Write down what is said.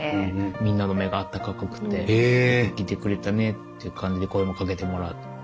みんなの目が温かくってよく来てくれたねっていう感じで声もかけもらったので。